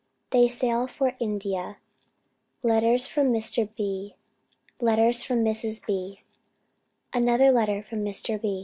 THEY SAIL FOR INDIA. LETTERS FROM MR. B. LETTERS FROM MRS. B. ANOTHER LETTER FROM MR.